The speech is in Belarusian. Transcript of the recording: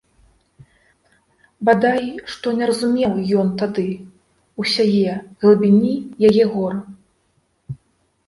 Бадай што не разумеў ён тады ўсяе глыбіні яе гора.